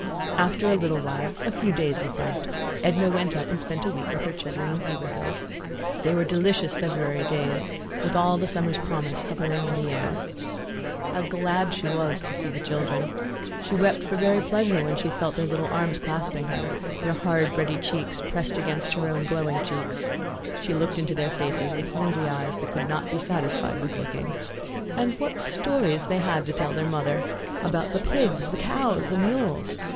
After a little while, a few days, in fact, Edna went up and spent a week with her children in Iberville. They were delicious February days, with all the summer's promise hovering in the air. How glad she was to see the children! She wept for very pleasure when she felt their little arms clasping her; their hard, ruddy cheeks pressed against her own glowing cheeks. She looked into their faces with hungry eyes that could not be satisfied with looking. And what stories they had to tell their mother! About the pigs, the cows, the mules!